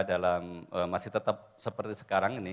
dalam masih tetap seperti sekarang ini